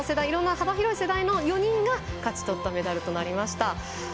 いろんな幅広い世代の４人が協力して勝ち取ったメダルになりました。